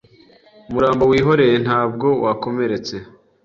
Umurambo wihoreye ntabwo wakomeretse